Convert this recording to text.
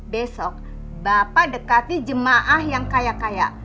besok bapak dekati jemaah yang kaya kaya